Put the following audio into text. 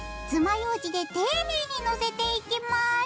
ようじで丁寧にのせていきます。